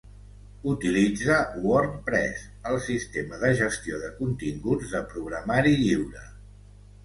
Utilitza WordPress, el sistema de gestió de continguts de programari lliure.